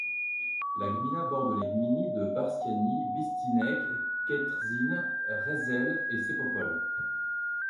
La gmina borde les gminy de Barciany, Bisztynek, Kętrzyn, Reszel et Sępopol.